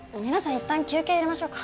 いったん休憩入れましょうか。